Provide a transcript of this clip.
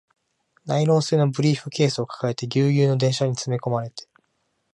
ナイロン製のブリーフケースを抱えて、ギュウギュウの電車に詰め込まれて